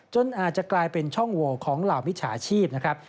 อาจจะกลายเป็นช่องโวของเหล่ามิจฉาชีพนะครับ